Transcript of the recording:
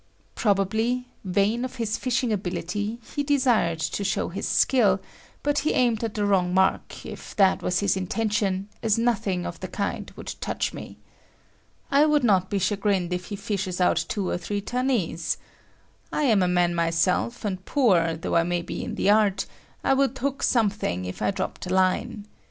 Probably, vain of his fishing ability, he desired to show his skill, but he aimed at the wrong mark, if that was his intention, as nothing of the kind would touch me. I would not be chagrined if he fishes out two or three tunnies. I am a man myself and poor though I may be in the art, I would hook something if I dropped a line.